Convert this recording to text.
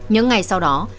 những ngày sau đó